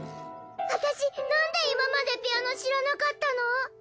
私なんで今までピアノ知らなかったの？